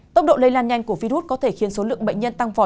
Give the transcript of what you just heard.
tốc độ lây lan nhanh của virus có thể khiến số lượng bệnh nhân tăng vọt